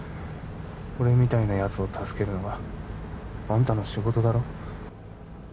俺みたいなやつを助けるのがあんたの仕事だろ